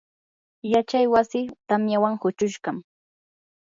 yachay wasii tamyawan huchushqam.